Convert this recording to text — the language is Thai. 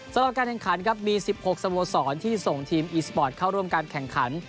สำหรับการแข่งขันครับมี๑๖สโมสรที่ส่งทีมอีสปอร์ตเข้าร่วมการแข่งขัน